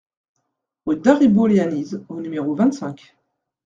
Rue Daribo Leanise au numéro vingt-cinq